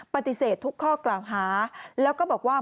ปฏิเสธทุกข้อกล่าวหาแล้วก็บอกว่า